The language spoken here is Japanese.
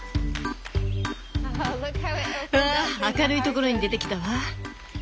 わあ明るいところに出てきたわ。